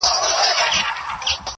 o د ژرندي زه راځم، غوږونه ستا سپېره دي٫